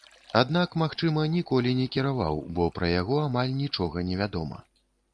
Аднак, магчыма, ніколі не кіраваў, бо пра яго амаль нічога невядома.